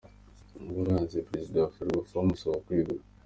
Ibaruwa yandikiwe Perezida wa Ferwafa bamusaba kwegura .